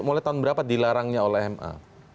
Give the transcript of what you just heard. mulai tahun berapa dilarangnya oleh ma